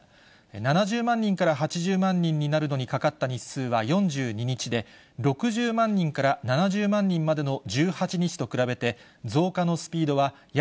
７０万人から８０万人になるのにかかった日数は４２日で、６０万人から７０万人までの１８日と比べて、増加のスピードはや